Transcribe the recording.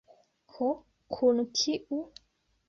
Ho, kun kiu?